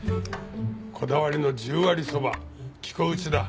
こだわりの十割そば生粉打ちだ。